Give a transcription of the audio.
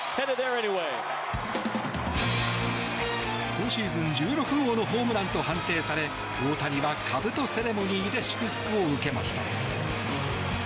今シーズン１６号のホームランと判定され大谷は、かぶとセレモニーで祝福を受けました。